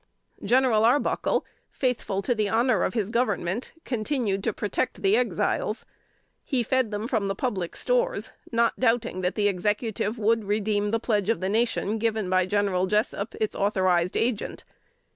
General Arbuckle, faithful to the honor of his Government, continued to protect the Exiles. He fed them from the public stores, not doubting that the Executive would redeem the pledge of the nation given by General Jessup, its authorized agent.